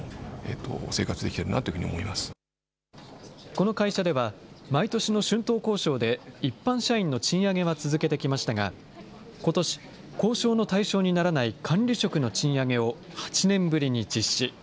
この会社では、毎年の春闘交渉で一般社員の賃上げは続けてきましたが、ことし、交渉の対象にならない管理職の賃上げを８年ぶりに実施。